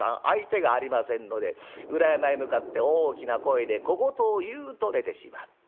相手がありませんので裏山へ向かって大きな声で小言を言うと寝てしまう。